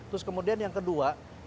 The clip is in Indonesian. terus kemudian yang kedua